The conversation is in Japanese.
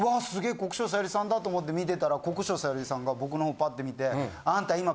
国生さゆりさんだと思って見てたら国生さゆりさんが僕の方パッと見て。